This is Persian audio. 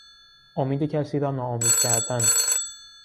امید کسی را ناامید کردن